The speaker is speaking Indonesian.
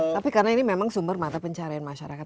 tapi karena ini memang sumber mata pencarian masyarakat